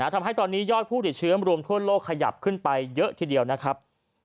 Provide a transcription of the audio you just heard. ทำให้ตอนนี้ยอดผู้ติดเชื้อรวมทั่วโลกขยับขึ้นไปเยอะทีเดียวนะครับ